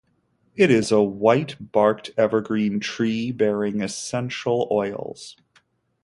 It is a white-barked evergreen tree, bearing essential oils.